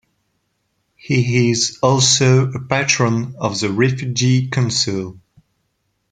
He is also a patron of the Refugee Council.